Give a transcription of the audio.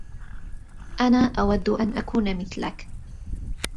أنا أود أن أكون مثلك.